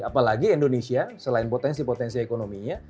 apalagi indonesia selain potensi potensi ekonominya